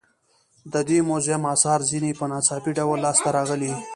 د دې موزیم اثار ځینې په ناڅاپي ډول لاس ته راغلي.